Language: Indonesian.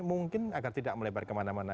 mungkin agar tidak melebar kemana mana